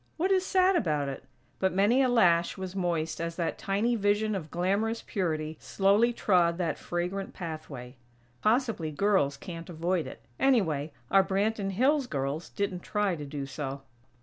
What is sad about it? But many a lash was moist as that tiny vision of glamorous purity slowly trod that fragrant pathway. Possibly girls can't avoid it; anyway, our Branton Hills girls didn't try to do so.